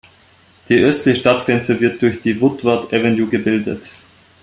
Die östliche Stadtgrenze wird durch die Woodward Avenue gebildet.